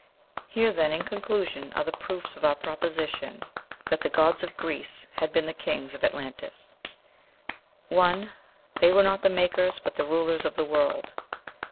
Here then, in conclusion, are the proofs of our proposition that the gods of Greece had been the kings of Atlantis: 1. They were not the makers, but the rulers of the world.